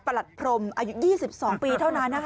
๒๐๑๒ประหลัดพรมอายุ๒๒ปีเท่านั้นนะคะ